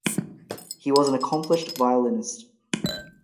He was an accomplished violinist.